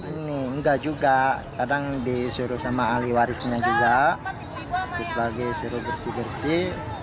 ini enggak juga kadang disuruh sama ahli warisnya juga terus lagi suruh bersih bersih